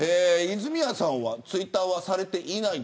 泉谷さんはツイッターをされていない。